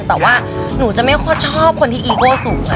แต่ว่าหนูจะไม่ค่อยชอบคนที่อีโก้สูงค่ะ